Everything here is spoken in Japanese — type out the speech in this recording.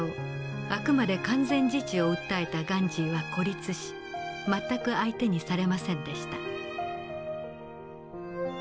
あくまで完全自治を訴えたガンジーは孤立し全く相手にされませんでした。